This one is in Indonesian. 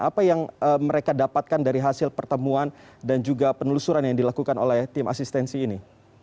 apa yang mereka dapatkan dari hasil pertemuan dan juga penelusuran yang dilakukan oleh tim asistensi ini